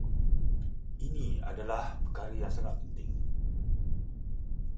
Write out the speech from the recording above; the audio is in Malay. Ini adalah perkara yang sangat penting